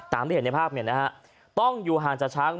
ที่เห็นในภาพเนี่ยนะฮะต้องอยู่ห่างจากช้าง